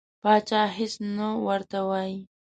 پاچا هیڅ نه ورته وایي.